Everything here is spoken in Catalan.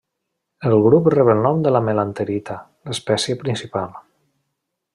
El grup rep el nom de la melanterita, l'espècie principal.